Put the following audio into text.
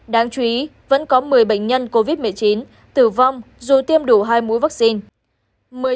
đáng chú ý vẫn có một mươi bệnh nhân covid một mươi chín tử vong dù tiêm đủ hai mũi vaccine